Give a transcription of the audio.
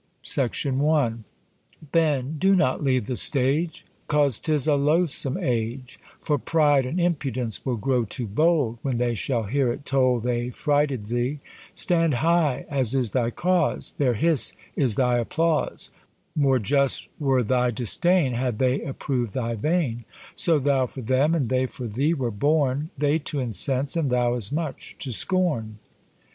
I. Ben, do not leave the stage Cause 'tis a loathsome age; For pride and impudence will grow too bold, When they shall hear it told They frighted thee; Stand high, as is thy cause; Their hiss is thy applause: More just were thy disdain, Had they approved thy vein: So thou for them, and they for thee were born; They to incense, and thou as much to scorn.